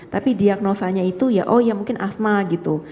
tapi diagnosanya itu ya oh ya mungkin asma gitu